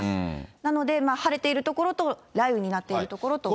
なので、晴れている所と雷雨になっている所とあると。